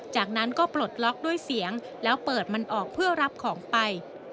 จากนั้นก็ปลดล็อกด้วยเสียงแล้วเปิดมันออกเพื่อรับของไป